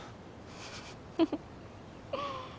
フフフッ。